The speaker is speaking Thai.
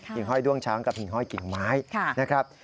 ห้อยด้วงช้างกับหิ่งห้อยกิ่งไม้นะครับ